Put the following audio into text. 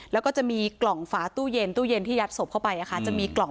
แล้วก็จะมีกล่องฝาตู้เย็นตู้เย็นที่ยัดศพเข้าไปจะมีกล่อง